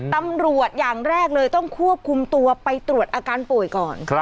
ตำรวจอย่างแรกเลยต้องควบคุมตัวไปตรวจอาการป่วยก่อน